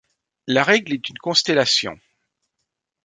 La Règle est une constellation.